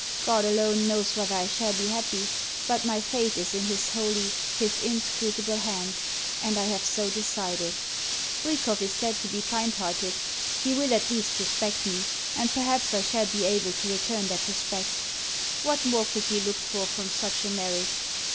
God alone knows whether I shall be happy, but my fate is in His holy, His inscrutable hand, and I have so decided. Bwikov is said to be kind hearted. He will at least respect me, and perhaps I shall be able to return that respect. What more could be looked for from such a marriage?